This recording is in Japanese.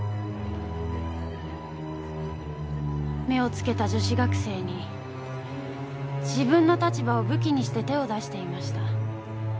目をつけた女子学生に自分の立場を武器にして手を出していました。